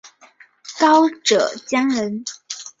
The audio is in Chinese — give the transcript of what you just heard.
高阇羌人。